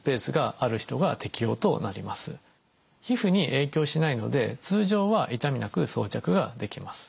皮膚に影響しないので通常は痛みなく装着ができます。